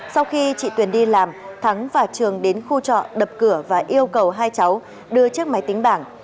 sau khi chị tuyền đi làm thắng và trường đến khu trọ đập cửa và yêu cầu hai cháu đưa chiếc máy tính bảng